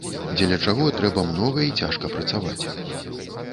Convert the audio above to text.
Дзеля чаго трэба многа і цяжка працаваць.